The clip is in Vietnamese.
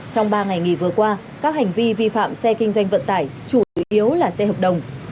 trong ba ngày nghỉ vừa qua các hành vi vi phạm xe kinh doanh vận tải chủ yếu là xe hợp đồng